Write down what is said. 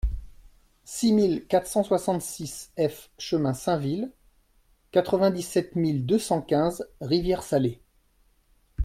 six mille quatre cent soixante-six F chemin Sainville, quatre-vingt-dix-sept mille deux cent quinze Rivière-Salée